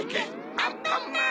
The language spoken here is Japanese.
アンパンマン！